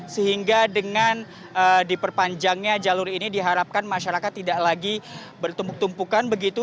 sehingga dengan diperpanjangnya jalur ini diharapkan masyarakat tidak lagi bertumpuk tumpukan begitu